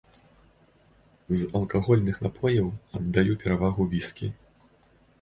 З алкагольных напояў аддаю перавагу віскі.